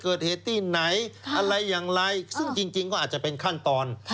เกิดเหตุที่ไหนอะไรอย่างไรซึ่งจริงก็อาจจะเป็นขั้นตอน